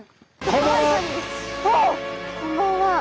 こんばんは。